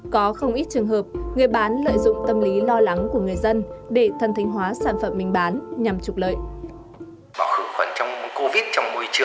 có không ít trường hợp người bán lợi dụng tâm lý lo lắng của người dân để thần thanh hóa sản phẩm mình bán nhằm trục lợi